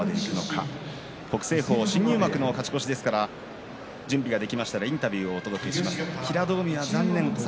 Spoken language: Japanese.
北青鵬、新入幕の勝ち越しですから準備ができたらインタビューをお届けします。